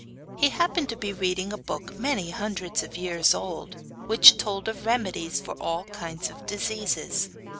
He happened to be reading a book many hundreds of years old, which told of remedies for all kinds of diseases.